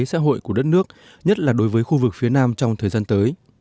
xã hội của đất nước nhất là đối với khu vực phía nam trong thời gian tới